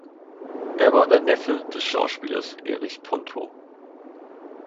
Er war der Neffe des Schauspielers Erich Ponto.